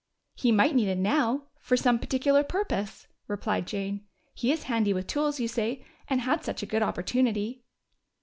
"He might need it now, for some particular purpose," replied Jane. "He is handy with tools, you say and had such a good opportunity."